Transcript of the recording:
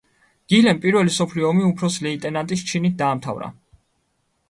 გილემ პირველი მსოფლიო ომი უფროსი ლეიტენანტის ჩინით დაამთავრა.